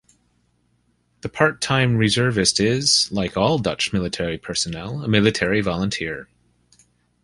The part-time reservist is, like all Dutch military personnel, a military volunteer.